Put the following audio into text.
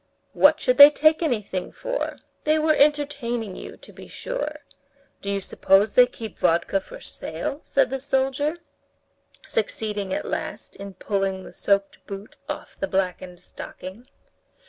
'" "What should they take anything for? They were entertaining you, to be sure. Do you suppose they keep vodka for sale?" said the soldier, succeeding at last in pulling the soaked boot off the blackened stocking.